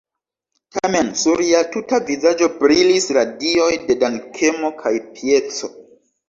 Tamen sur lia tuta vizaĝo brilis radioj de dankemo kaj pieco.